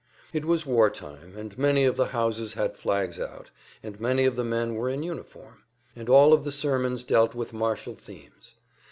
It was war time, and many of the houses had flags out, and many of the men were in uniform, and all of the sermons dealt with martial themes.